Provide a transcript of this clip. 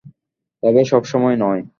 তবে সব সময় নয়।